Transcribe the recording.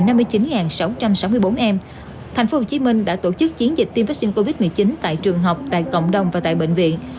tuy nhiên sau rà soát số trẻ cần tiêm vaccine là sáu mươi chín sáu trăm sáu mươi bốn em thành phố hồ chí minh đã tổ chức chiến dịch tiêm vaccine covid một mươi chín tại trường học tại cộng đồng và tại bệnh viện